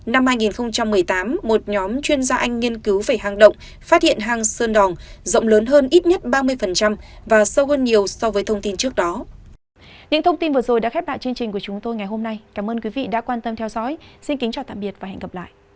năm hai nghìn một mươi tám một nhóm chuyên gia anh nghiên cứu về hang động phát hiện hang sơn đòn rộng lớn hơn ít nhất ba mươi và sâu hơn nhiều so với thông tin trước đó